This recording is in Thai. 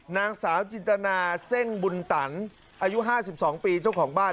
นางสาวจินตนาเส้งบุญตันอายุ๕๒ปีเจ้าของบ้าน